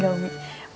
bukan untuk keselio